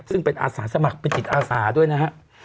ซึ่งเป็นอาสาสมัครเป็นจิตอาสาด้วยนะฮะ